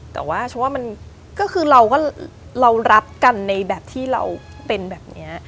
แต่ว่าฉันว่ามันก็คือเราก็เรารักกันในแบบที่เราเป็นแบบนี้